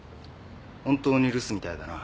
本当に留守みたいだな。